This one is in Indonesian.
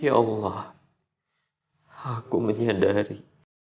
ya allah aku menyadari